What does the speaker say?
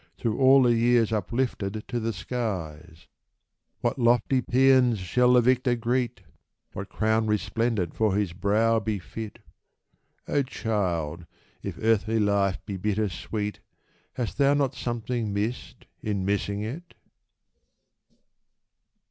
Through all the years uplifted to the skies ! What lofty paeans shall the victor greet ! What crown resplendent for his brow be fit ! O child, if earthly life be bitter sweet. Hast thou not something missed in missing it